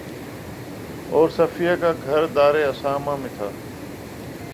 اور صفیہ کا گھر دارِ اسامہ میں تھا